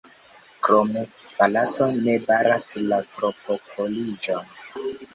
Krome Barato ne baras la tropopoliĝon.